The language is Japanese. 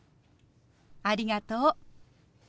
ありがとう。